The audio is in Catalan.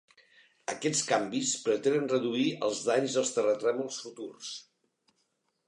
Aquests canvis pretenen reduir els danys dels terratrèmols futurs.